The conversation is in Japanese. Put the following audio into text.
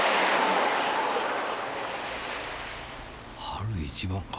春一番か？